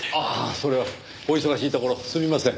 これはお忙しいところすみません。